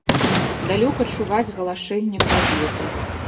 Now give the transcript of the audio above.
Далёка чуваць галашэнне кабеты.